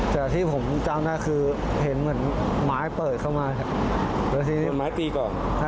แต่ที่ผมจำได้คือเห็นเหมือนไม้เปิดเข้ามาแล้วทีนี้ไม้ปีก่อน